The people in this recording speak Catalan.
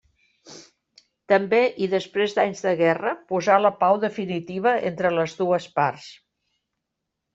També i després d'anys de guerra posà la pau definitiva entre les dues parts.